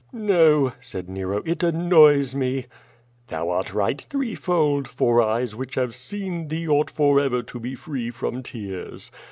"No," said Nero; "it annoys me." "Thou art right threefold, for eyes which have seen thee ought forever be free from tears.